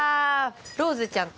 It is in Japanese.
ローズちゃんと。